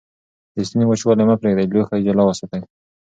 د ستوني وچوالی مه پرېږدئ. لوښي جلا وساتئ.